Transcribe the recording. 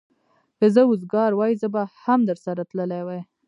که زه وزګار وای، زه به هم درسره تللی وای.